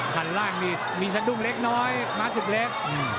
หันล่างมีสะดุ้งเล็กน้อยมาสุดเล็ก